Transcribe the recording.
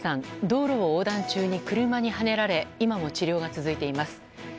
道路を横断中に車にはねられ今も治療が続いています。